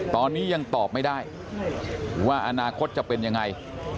ตอนนี้ยังตอบไม่ได้ว่าอนาคตจะเป็นยังไง